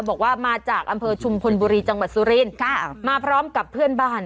บอกว่ามาจากอำเภอชุมพลบุรีจังหวัดสุรินทร์มาพร้อมกับเพื่อนบ้าน